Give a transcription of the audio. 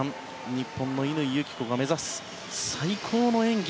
日本の乾友紀子が目指す最高の演技。